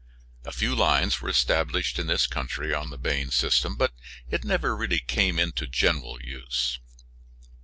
A few lines were established in this country on the Bain system, but it never came into general use.